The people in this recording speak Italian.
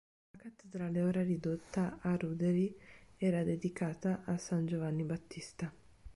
La cattedrale, ora ridotta a ruderi, era dedicata a San Giovanni Battista.